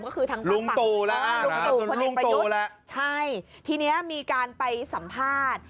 ก็คือทางฟาคฝั่งรุงตู่แล้วนะครับภรรย์ประยุทธ์ใช่ที่นี้มีการไปสัมภาษณ์